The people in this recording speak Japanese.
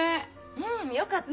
うんよかった。